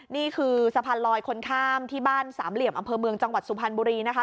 นี่คือสะพานลอยคนข้ามที่บ้านสามเหลี่ยมอำเภอเมืองจังหวัดสุพรรณบุรีนะคะ